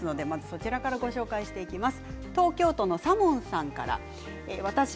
そちらからご紹介していきます。